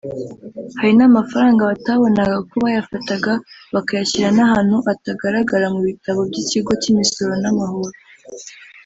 Hari n’amafaranga batabonaga kuko bayafataga bakayashyira n’ahantu atagaragara mu bitabo by’Ikigo cy’Imisoro n’amahoro